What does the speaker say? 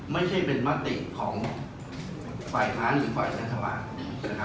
ไม่ใช่เป็นมัสถึงของไฟค้างหรือไฟชัชาล